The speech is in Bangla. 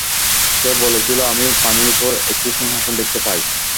সে বলেছিল, আমি পানির উপর একটি সিংহাসন দেখতে পাই।